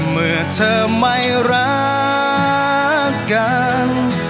เมื่อเธอไม่รักกัน